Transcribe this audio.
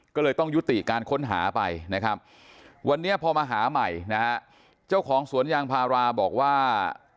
ก็เลยต้องยุติการค้นหาไปนะครับวันนี้พอมาหาใหม่นะฮะเจ้าของสวนยางพาราบอกว่า